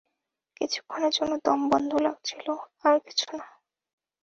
কিছুক্ষণের জন্য দমবন্ধ লাগছিল, আর কিছুনা।